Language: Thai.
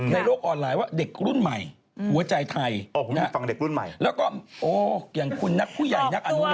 ในโลกออนไลน์ว่าเด็กรุ่นใหม่หัวใจไทย